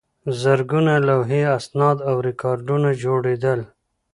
زرګونه لوحې، اسناد او ریکارډونه جوړېدل.